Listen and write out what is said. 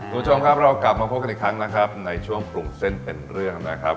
คุณผู้ชมครับเรากลับมาพบกันอีกครั้งนะครับในช่วงปรุงเส้นเป็นเรื่องนะครับ